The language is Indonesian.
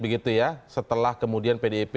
begitu ya setelah kemudian pdip